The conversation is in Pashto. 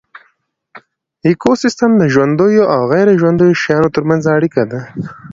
ایکوسیستم د ژوندیو او غیر ژوندیو شیانو ترمنځ اړیکه ده